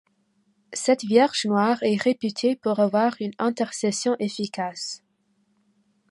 Cette vierge noire est réputée pour avoir une intercession efficace.